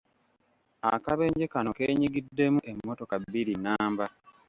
Akabenje kano keenyigiddemu emmotoka bbiri nnamba.